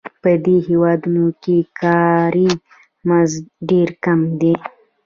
په دې هېوادونو کې کاري مزد ډېر کم دی